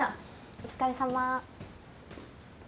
お疲れさま。